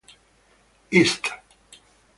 East!